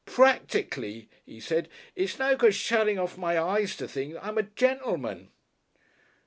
"Practically," he said, "it's no good shuttin' my eyes to things I'm a gentleman."